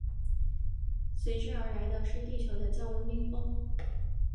随之而来的是地球的降温冰封。